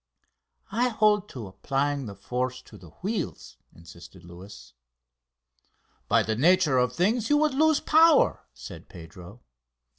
"I hold to applying the force to the wheels," insisted Luis. "By the nature of things you would lose power," said Pedro.